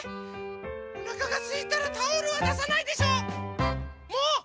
おなかがすいたらタオルはださないでしょ！もうっ！